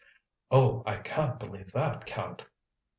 "Oh, I can't believe that, Count."